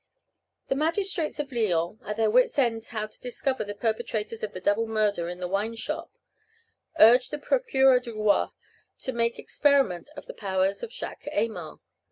The magistrates of Lyons, at their wits' ends how to discover the perpetrators of the double murder in the wine shop, urged the Procureur du Roi to make experiment of the powers of Jacques Aymar.